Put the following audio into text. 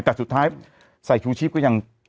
แต่สุดท้ายใส่ชูชีพก็ยัง